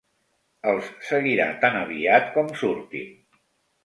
Els seguirà tan aviat com surtin.